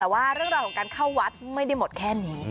แต่ว่าเรื่องราวของการเข้าวัดไม่ได้หมดแค่นี้